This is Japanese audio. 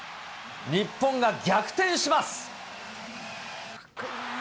日本が逆転します。